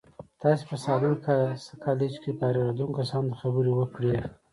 تاسې په ساليم کالج کې فارغېدونکو کسانو ته خبرې وکړې.